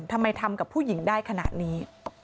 ทำไมทำกับผู้หญิงได้ขนาดนี้